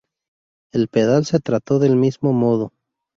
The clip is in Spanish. El pedal se trató del mismo modo.